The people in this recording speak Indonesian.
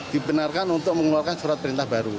dibenarkan untuk mengeluarkan surat perintah baru